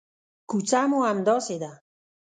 کوڅه مو همداسې ده.